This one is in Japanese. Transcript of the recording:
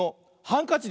ハンカチ。